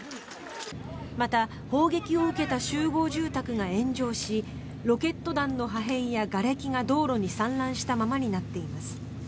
また、砲撃を受けた集合住宅が炎上しロケット弾の破片やがれきが道路に散乱したままになっています。